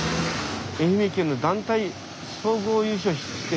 愛媛県の団体総合優勝してますねえ。